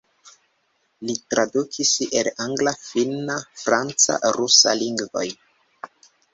Li tradukis el angla, finna, franca, rusa lingvoj.